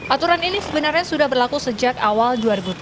aturan ini sebenarnya sudah berlaku sejak awal dua ribu tujuh belas